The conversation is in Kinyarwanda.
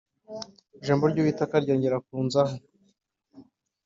Ijambo ry’Uwiteka ryongera kunzaho